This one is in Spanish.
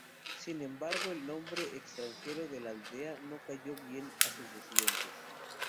Sin embargo, el nombre extranjero de la aldea no cayó bien a sus residentes.